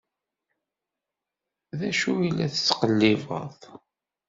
D acu i la tettqellibeḍ?